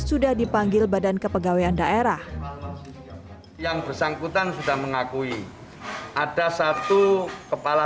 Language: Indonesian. sudah dipanggil badan kepegawaian daerah yang bersangkutan sudah mengakui ada satu kepala